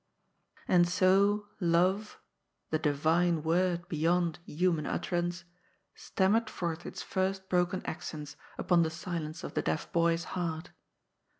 And so love — ^the diyine word beyond human utterance — stammered forth its first broken accents upon the silence of the deaf boy's heart.